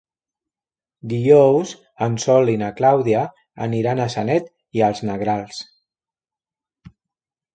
Dijous en Sol i na Clàudia aniran a Sanet i els Negrals.